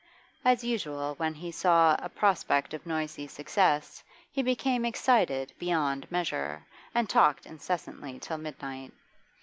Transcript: As usual when he saw a prospect of noisy success he became excited beyond measure, and talked incessantly till midnight.